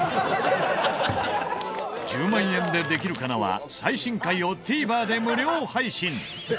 『１０万円でできるかな』は最新回をＴＶｅｒで無料配信！